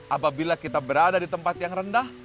apabila kita berada di tempat yang rendah